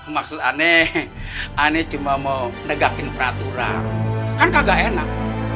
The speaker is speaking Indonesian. maksud aneh aneh cuma mau negakin peraturan kan kagak enak